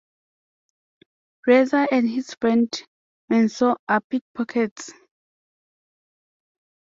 Reza and his friend Mansoor are pickpockets.